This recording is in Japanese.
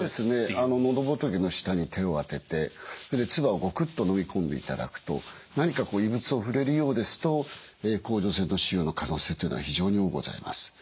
喉仏の下に手を当ててそれで唾をゴクッと飲み込んでいただくと何かこう異物を触れるようですと甲状腺の腫瘍の可能性というのは非常に多うございます。